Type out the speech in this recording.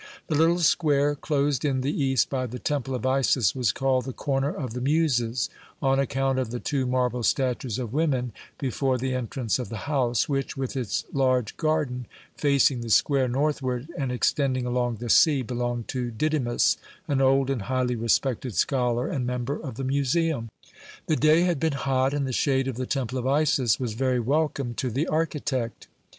The little square closed in the east by the Temple of Isis was called the "Corner of the Muses," on account of the two marble statues of women before the entrance of the house, which, with its large garden facing the square northward and extending along the sea, belonged to Didymus, an old and highly respected scholar and member of the Museum. The day had been hot, and the shade of the Temple of Isis was very welcome to the architect.